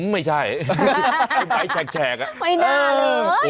ไม่ใช่ใบแชกอ่ะไม่น่าเลย